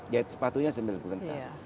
jahit sepatunya sambil gemetar